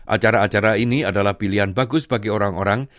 acara acara ini adalah pilihan bagus bagi orang orang